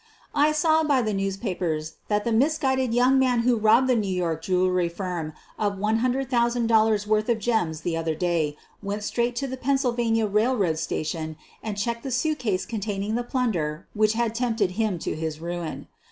I saw by the newspapers that the misguided young man who robbed the New York jewelry firm of $100, 000 worth of gems the other day went straight to the Pennsylvania Eailroad Station and checked the suitcase containing the plunder which had tempted him to his ruin.